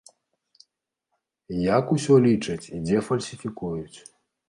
Як усё лічаць і дзе фальсіфікуюць?